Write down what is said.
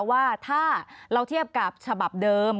ว่าถ้าเราเทียบกับฉบับเดิม